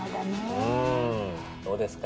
うんどうですか？